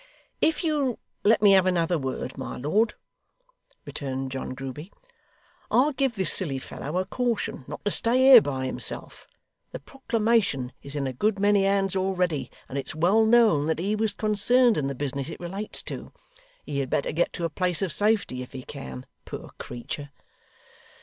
'If you'll let me have another word, my lord,' returned John Grueby, 'I'd give this silly fellow a caution not to stay here by himself. The proclamation is in a good many hands already, and it's well known that he was concerned in the business it relates to. He had better get to a place of safety if he can, poor creature.